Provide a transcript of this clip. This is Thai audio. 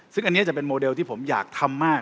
ซึ่งอันนี้จะเป็นโมเดลที่ผมอยากทำมาก